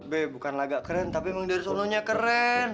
be bukan lagak keren tapi menghindari somnonya keren